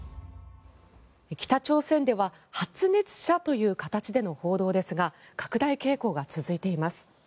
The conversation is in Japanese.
北朝鮮では発熱者という形での報道ですが拡大傾向が続いています。